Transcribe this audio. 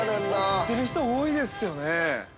◆持ってる人、多いですよね。